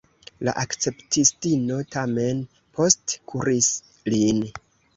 La akceptistino tamen postkuris lin.